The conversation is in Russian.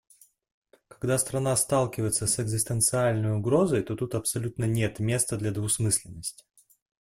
Когда страна сталкивается с экзистенциальной угрозой, то тут абсолютно нет места для двусмысленности.